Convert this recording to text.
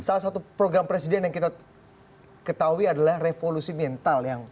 salah satu program presiden yang kita ketahui adalah revolusi mental